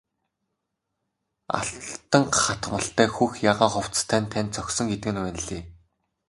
Алтан хатгамалтай хөх ягаан хувцас тань танд зохисон гэдэг нь ванлий!